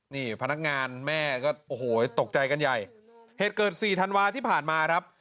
นี่พนักงานแม่ก็โอ้โหตกใจกันใหญ่เหตุเกิดสี่ธันวาที่ผ่านมาครับ